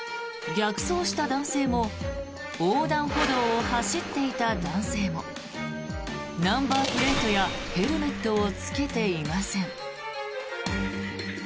逆走した男性も横断歩道を走っていた男性もナンバープレートやヘルメットを着けていません。